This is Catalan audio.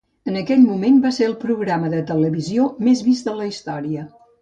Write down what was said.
En aquell moment va ser el programa de televisió més vist de la història.